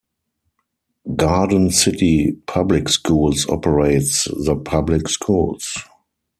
Garden City Public Schools operates the public schools.